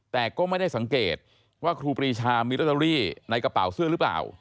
แต่ก็ไม่ได้สังเกตว่าครูปรีชามีลอตเตอรี่ในกระเป๋าเสื้อหรือเปล่า